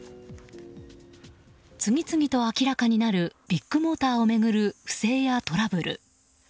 次々と明らかになるビッグモーターを巡る不正やトラブル。